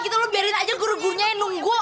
gitu lo biarin aja guru gurunya yang nunggu